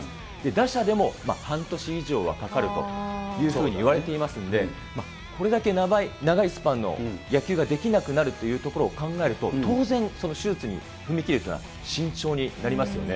打者でも半年以上はかかるというふうにいわれていますんで、これだけ長いスパンの野球ができなくなるというところを考えると、当然、手術に踏み切るというのは慎重になりますよね。